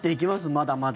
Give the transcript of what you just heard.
まだまだ。